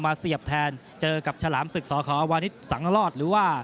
มาเสียบแทนเจอกับฉลามศึกศอคอวันนี้สังลอดหรือว่า